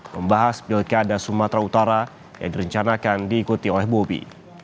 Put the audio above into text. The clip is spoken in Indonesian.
membahas pilkada sumatera utara yang direncanakan diikuti oleh bobi